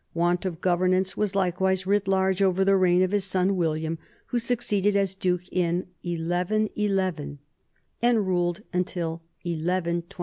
Want of governance was likewise writ large over the reign of his son William, who succeeded as duke in 1 1 1 1 and ruled till 1127.